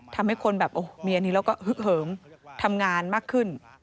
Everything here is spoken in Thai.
ทำให้คนแบบโอ้โหมีอันนี้แล้วก็ฮึกเหิมทำงานมากขึ้น